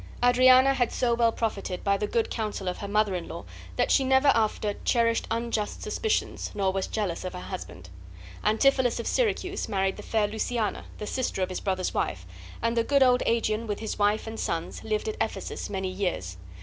Adriana had so well profited by the good counsel of her mother in law that she never after cherished unjust suspicions nor was jealous of her husband. Antipholus of Syracuse married the fair Luciana, the sister of his brother's wife; and the good old Aegeon, with his wife and sons, lived at Ephesus many years.